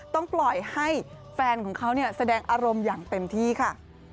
ต้องปล่อยให้แฟนของเขาแสดงอารมณ์อย่างเต็มที่ค่ะ